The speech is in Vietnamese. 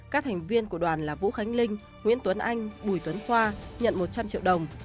các thành viên của đoàn là vũ khánh linh nguyễn tuấn anh bùi tuấn khoa nhận một trăm linh triệu đồng